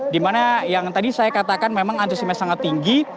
dimana yang tadi saya katakan memang antusiasme sangat tinggi